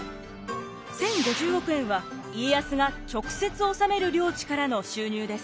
１，０５０億円は家康が直接治める領地からの収入です。